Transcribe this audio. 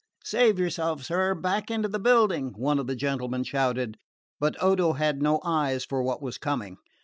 "Save yourself, sir! Back into the building!" one of the gentlemen shouted; but Odo had no eyes for what was coming.